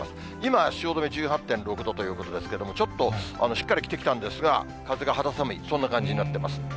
今、汐留１８．６度ということですけれども、ちょっと、しっかり着てきたんですが、風が肌寒い、そんな感じになってます。